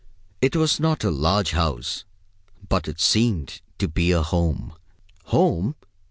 It was not a large house, but it seemed to be a home. Home!